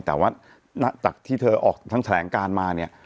แต่ว่าจากที่เธอออกทั้งแถลงการมาเนี่ย